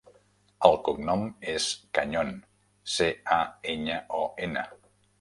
El cognom és Cañon: ce, a, enya, o, ena.